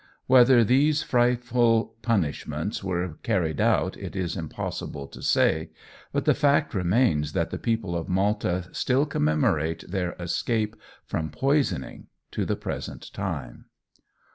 Whether these frightful punishments were carried out it is impossible to say, but the fact remains that the people of Malta still commemorate their escape from poisoning to the present time.